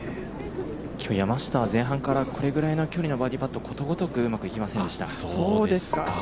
今日、山下は前半からこれくらいのバーディーパット、ことごとくうまくいきませんでした。